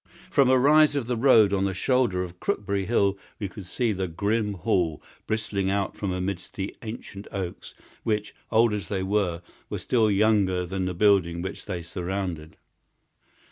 From a rise of the road on the shoulder of Crooksbury Hill we could see the grim Hall bristling out from amidst the ancient oaks, which, old as they were, were still younger than the building which they surrounded.